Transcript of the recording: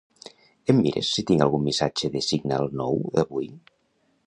Em mires si tinc algun missatge de Signal nou d'avui?